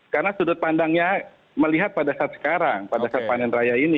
karena sudut pandangnya melihat pada saat sekarang pada saat panen raya ini